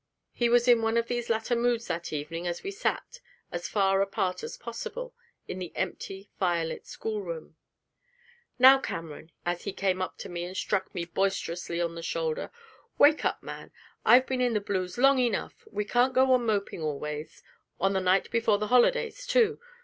He was in one of these latter moods that evening, as we sat, as far apart as possible, in the empty, firelit schoolroom. 'Now, Cameron,' he said, as he came up to me and struck me boisterously on the shoulder, 'wake up, man! I've been in the blues long enough. We can't go on moping always, on the night before the holidays, too!